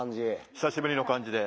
久しぶりの感じで。